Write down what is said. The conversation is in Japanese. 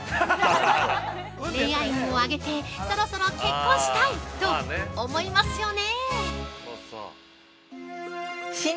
恋愛運を上げてそろそろ結婚したい！と思いますよね？